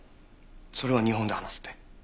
それは日本で話すって。